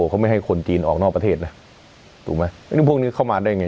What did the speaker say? เขาไม่ให้คนจีนออกนอกประเทศนะถูกไหมไม่รู้พวกนี้เข้ามาได้ไง